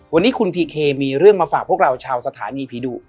วันนี้คุณพีเคมีเรื่องมาฝากพวกเราชาวสถานีผีดุ